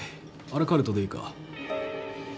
アラカルトでいいか？